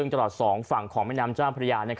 ตลอดสองฝั่งของไม้น้ำกระจ้างพระยา